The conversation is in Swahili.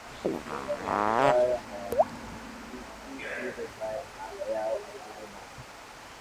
na ambayo hayafikiki lugha yao asili na